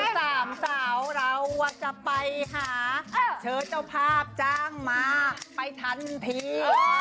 สามสาวเราจะไปหาเชิญเจ้าภาพจ้างมาไปทันที